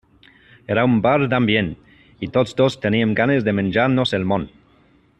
Era un bar d'ambient i tots dos teníem ganes de menjar-nos el món.